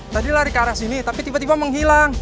tadi lari ke arah sini tapi tiba tiba menghilang